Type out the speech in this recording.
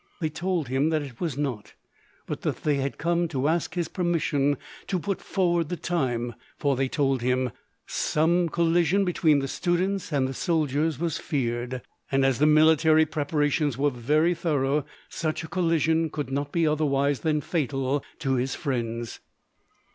They told him that it was not, but that they had come to ask his permission to put forward the time; for, they told him, same collision between the students and the soldiers was feared, and as the military preparations were very thorough, such a collision could not be otherwise than fatal to his friends.